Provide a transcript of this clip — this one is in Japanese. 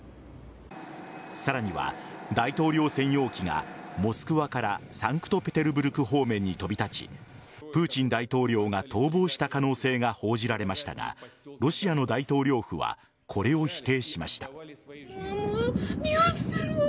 さらには、大統領専用機がモスクワからサンクトペテルブルク方面に飛び立ちプーチン大統領が逃亡した可能性が報じられましたがロシアの大統領府はこれを否定しました。